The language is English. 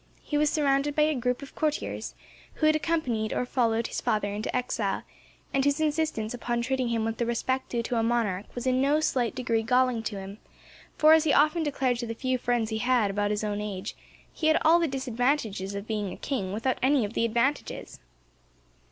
He was surrounded by a group of courtiers, who had accompanied or followed his father into exile, and whose insistence upon treating him with the respect due to a monarch was in no slight degree galling to him, for, as he often declared to the few friends he had about his own age, he had all the disadvantages of being a king, without any of the advantages.